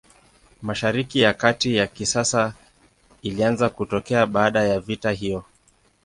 Mashariki ya Kati ya kisasa ilianza kutokea baada ya vita hiyo.